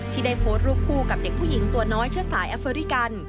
ที่ได้โพสต์รูปคู่กับเด็กผู้หญิงตัวน้อยเชื้อสายแอฟริกัน